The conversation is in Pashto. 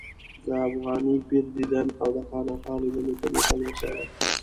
د افغاني پیر دیدن او د خانقا لیدلو ته مې تلوسه وه.